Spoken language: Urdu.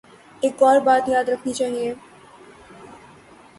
ایک اور بات یاد رکھنی چاہیے۔